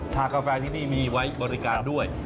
กาแฟที่นี่มีไว้บริการด้วย